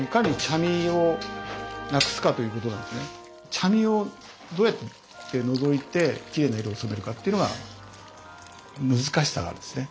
茶みをどうやって除いてきれいな色に染めるかっていうのが難しさがあるんですね。